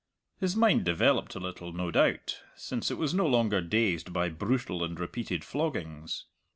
His mind developed a little, no doubt, since it was no longer dazed by brutal and repeated floggings.